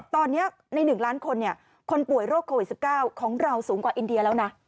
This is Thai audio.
ตอนนี้ใน๑ล้านคนคนป่วยโรคโควิด๑๙ของเราสูงกว่าอินเดียแล้วนะ